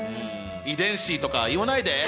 遺伝子とか言わないで。